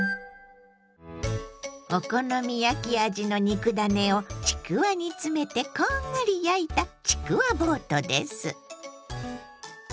お好み焼き味の肉ダネをちくわに詰めてこんがり焼いたちくわボートです。